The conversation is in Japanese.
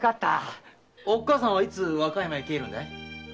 おっかさんはいつ和歌山へ帰るんだい？